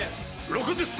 ６０歳！